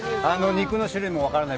肉の種類も分からない